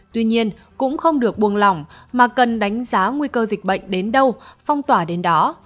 tuy nhiên cũng không được buồng lỏng mà cần đánh giá nguy cơ dịch bệnh đến đâu phong tỏa đến đó